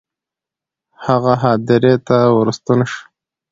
هغه هدیرې ته ورستون شو.